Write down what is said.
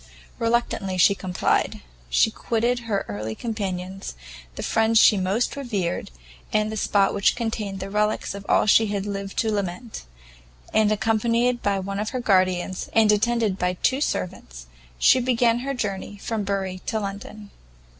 Reluctantly she complied; she quitted her early companions, the friend she most revered, and the spot which contained the relicks of all she had yet lived to lament; and, accompanied by one of her guardians, and attended by two servants, she began her journey from Bury to London.